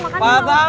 makanya enggak ada